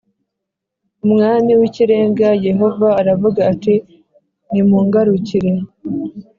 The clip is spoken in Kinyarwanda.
Umwami w’ Ikirenga Yehova aravuga ati nimungarukire